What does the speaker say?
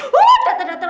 uuuu dateng dua langsung